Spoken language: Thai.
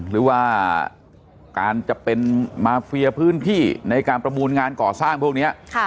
หรือว่าการจะเป็นมาเฟียพื้นที่ในการประมูลงานก่อสร้างพวกนี้